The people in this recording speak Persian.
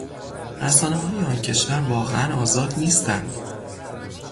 رسانههای آن کشور واقعا آزاد نیستند.